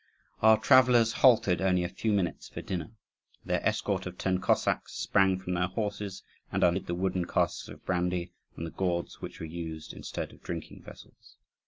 Our travellers halted only a few minutes for dinner. Their escort of ten Cossacks sprang from their horses and undid the wooden casks of brandy, and the gourds which were used instead of drinking vessels.